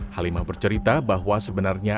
halimah bercerita bahwa sebenarnya